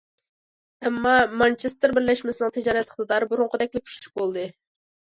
ئەمما مانچېستېر بىرلەشمىسىنىڭ تىجارەت ئىقتىدارى بۇرۇنقىدەكلا كۈچلۈك بولدى.